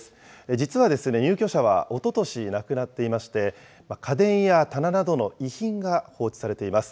実は、入居者はおととし、亡くなっていまして、家電や棚などの遺品が放置されています。